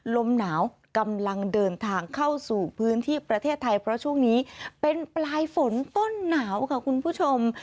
ลมหนาวกำลังเดินทางเข้าสู่พื้นที่ประเทศไทยเพราะช่วงนี้เป็นปลายฝนต้นหนาวค่ะคุณผู้ชม